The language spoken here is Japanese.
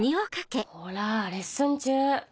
こらレッスン中。